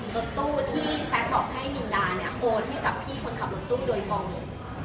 รถตู้ที่แซคบอกให้มีดาเนี่ยโอนให้กับพี่คนขับรถตู้โดยตรงเลย